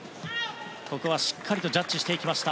ここはしっかりとジャッジしていきました。